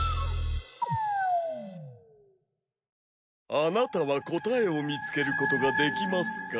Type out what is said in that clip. あなたは答えを見つけることができますか？